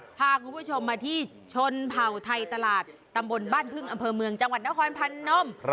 พาคุณผู้ชมมาที่ชนเผ่าไทยตลาดตำบลบ้านพึ่งอำเภอเมืองจังหวัดนครพนม